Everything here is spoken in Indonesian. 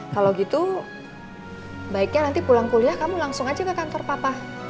kalau gitu baiknya nanti pulang kuliah kamu langsung aja ke kantor papa